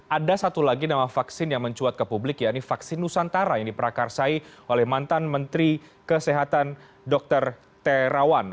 ada satu lagi nama vaksin yang mencuat ke publik yaitu vaksin nusantara yang diperakarsai oleh mantan menteri kesehatan dr terawan